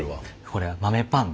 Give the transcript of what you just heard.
これは豆パン。